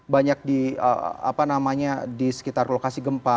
banyak di apa namanya di sekitar lokasi gempa